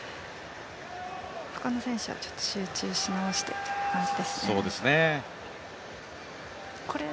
ほかの選手は集中し直している感じですね。